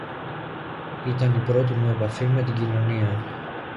Ήταν η πρώτη μου επαφή με την κοινωνία